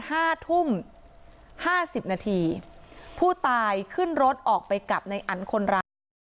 ห้าทุ่มห้าสิบนาทีผู้ตายขึ้นรถออกไปกับในอันคนร้าย